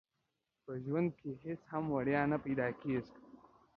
په ژوند کې هيڅ هم وړيا نه پيدا کيږي.